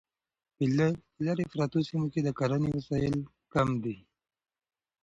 په لیرې پرتو سیمو کې د کرنې وسایل کم دي.